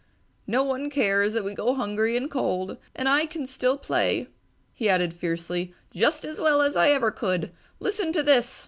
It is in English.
"No one cares that we go hungry and cold! And I can still play," he added fiercely, "just as well as ever I could! Listen to this!"